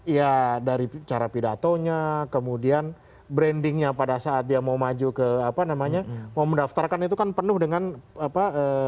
ya dari cara pidatonya kemudian brandingnya pada saat dia mau maju ke apa namanya mau mendaftarkan itu kan penuh dengan apa